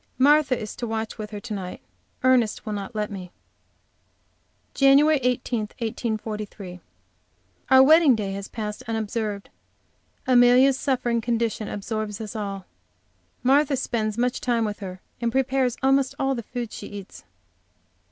Martha is to watch with her to night. Ernest will not let me. JAN. 18, 1843. Our wedding day has passed unobserved. Amelia's suffering condition absorbs us all. Martha spends much time with her, and prepares almost all the food she eats.